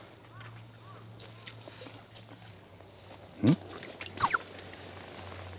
ん！